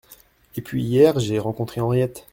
Et puis, hier, j’ai rencontré Henriette !